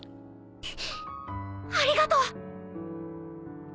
ありがとう！